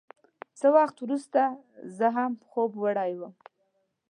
څه وخت وروسته زه هم خوب وړی وم.